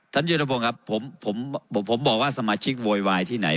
ยุทธพงศ์ครับผมผมบอกว่าสมาชิกโวยวายที่ไหน